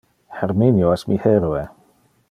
Herminio es mi heroe.